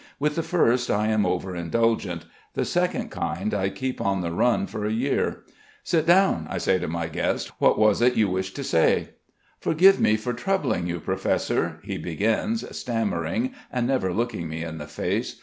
With the first I am over indulgent; the second kind I keep on the run for a year. "Sit down," I say to my guest. "What was it you wished to say?" "Forgive me for troubling you, Professor...." he begins, stammering and never looking me in the face.